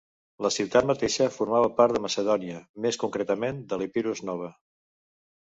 La ciutat mateixa formava part de Macedònia, més concretament de l'Epirus Nova.